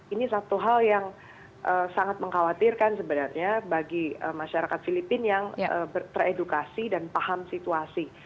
ini satu hal yang sangat mengkhawatirkan sebenarnya bagi masyarakat filipina yang teredukasi dan paham situasi